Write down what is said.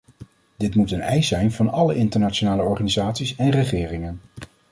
Dit moet een eis zijn van alle internationale organisaties en regeringen.